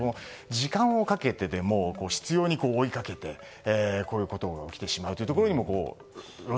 時間をかけてでも執拗に追いかけてこういうことが起きてしまうというところも。